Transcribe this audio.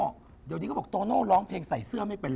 เดี๋ยวนี้เขาบอกโตโน่ร้องเพลงใส่เสื้อไม่เป็นเลย